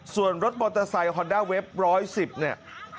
ส่วนรถมอเตอร์ไซค์ฮอนด้าเว็บ๑๑๐เนี่ย